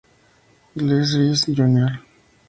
Glen Rice, Jr.